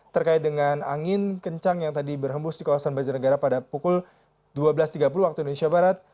terkait dengan angin kencang yang tadi berhembus di kawasan banjarnegara pada pukul dua belas tiga puluh waktu indonesia barat